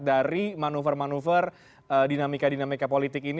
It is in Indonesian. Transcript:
dari manuver manuver dinamika dinamika politik ini